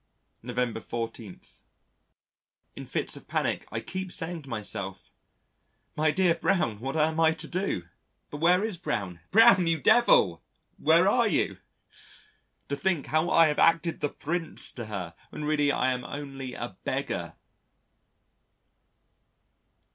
November 14. In fits of panic, I keep saying to myself: "My dear Brown, what am I to do?" But where is Brown? Brown, you devil! where are you? ... To think how I have acted the Prince to her when really I am only a beggar!